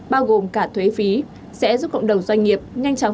bao gồm cả thuế phí sẽ giúp cộng đồng doanh nghiệp nhanh chóng